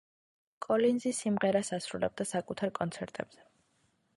კოლინზი სიმღერას ასრულებდა საკუთარ კონცერტებზე.